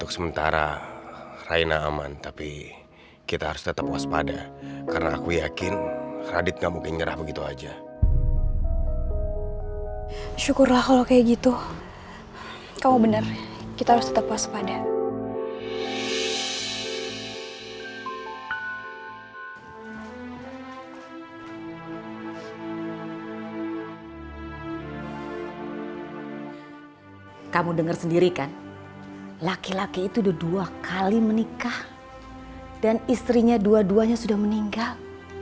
sama seperti istri istrinya yang lain gak